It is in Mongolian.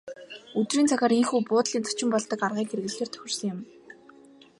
Өдрийн цагаар ийнхүү буудлын зочин болдог аргыг хэрэглэхээр тохирсон юм.